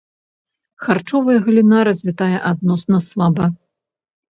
Харчовая галіна развітая адносна слаба.